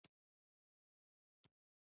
د انګور ګل د څه لپاره وکاروم؟